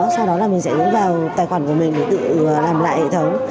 sau đó mình sẽ đến vào tài khoản của mình để tự làm lại hệ thống